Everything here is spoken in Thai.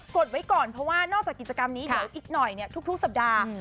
ดไว้ก่อนเพราะว่านอกจากกิจกรรมนี้เดี๋ยวอีกหน่อยทุกสัปดาห์